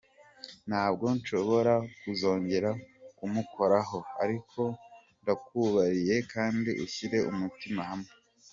Ntabwo nshobora kuzongera kumukoraho, ariko ndakubabariye kandi ushyire umutima hamwe.